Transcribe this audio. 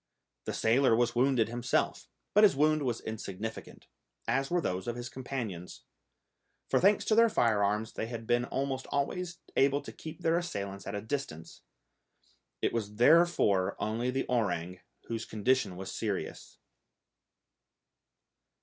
The sailor was wounded himself, but his wound was insignificant, as were those of his companions; for thanks to their firearms they had been almost always able to keep their assailants at a distance. It was therefore only the orang whose condition was serious.